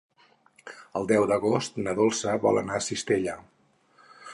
El deu d'agost na Dolça vol anar a Cistella.